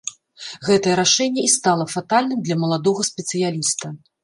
Гэтае рашэнне і стала фатальным для маладога спецыяліста.